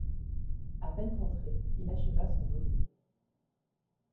À peine rentré, il acheva son volume.